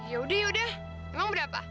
yaudah yaudah emang berapa